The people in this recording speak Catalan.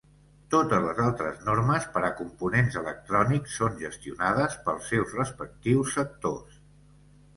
Totes les altres normes per a components electrònics són gestionades pels seus respectius sectors.